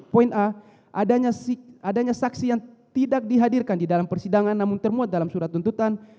poin a adanya saksi yang tidak dihadirkan di dalam persidangan namun termuat dalam surat tuntutan